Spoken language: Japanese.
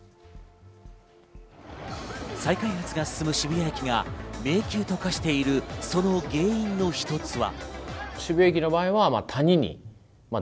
再開発が進む渋谷駅が迷宮と化しているその原因の一つは。